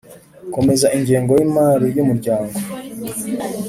kwemeza ingengo y imari y umuryango